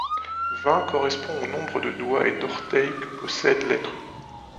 Vingt correspond au nombre de doigts et d'orteils que possède l'être humain.